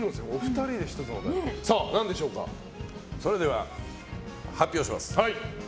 それでは発表します。